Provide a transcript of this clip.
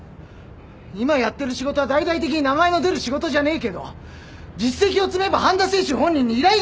今やってる仕事は大々的に名前の出る仕事じゃねえけど実績を積めば半田清舟本人に依頼が来るようになるから。